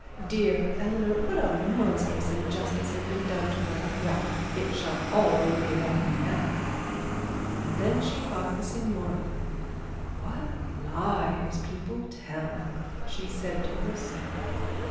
Dear Eleanor. What monstrous injustice has been done her! Well, it shall all be made up now.' And then she thought of the signora. 'What lies people tell,' she said to herself.